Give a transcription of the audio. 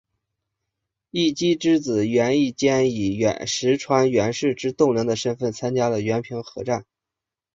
义基之子源义兼以石川源氏之栋梁的身份参加了源平合战。